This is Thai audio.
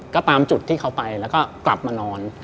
ก็ตามจุดที่เขาไปแล้วก็กลับมานอน